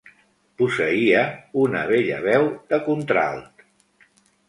Posseïa una bella veu de Contralt.